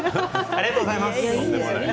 ありがとうございます。